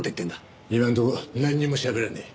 今んとこなんにもしゃべらねえ。